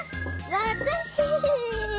わたし。